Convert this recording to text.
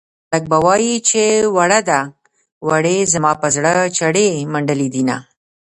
خلک به وايي چې وړه ده وړې زما په زړه چړې منډلې دينه